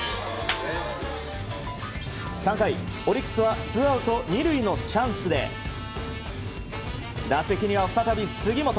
３回、オリックスはツーアウト２塁のチャンスで打席には再び杉本。